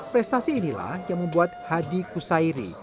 prestasi inilah yang membuat hadi kusairi